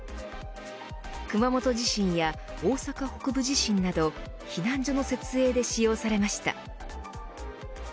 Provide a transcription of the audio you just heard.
熊本地震や大阪北部地震など避難所の設営で使用されました。